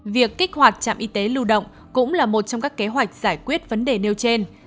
việc kích hoạt trạm y tế lưu động cũng là một trong các kế hoạch giải quyết vấn đề nêu trên